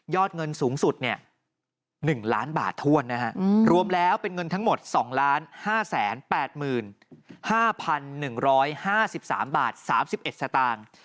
เงินสูงสุด๑ล้านบาทถ้วนนะฮะรวมแล้วเป็นเงินทั้งหมด๒๕๘๕๑๕๓บาท๓๑สตางค์